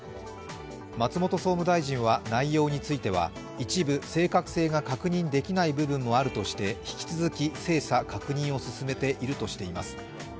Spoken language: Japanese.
松本総務大臣は、内容については一部正確性が確認できない部分もあるとして引き続き精査・確認を進めているとしています。